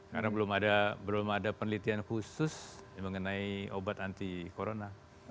karena belum ada penelitian khusus mengenai obat anti corona